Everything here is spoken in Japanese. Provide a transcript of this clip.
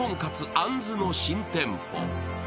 あんずの新店舗。